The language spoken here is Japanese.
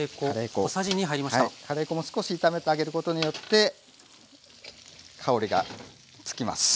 カレー粉も少し炒めてあげることによって香りがつきます。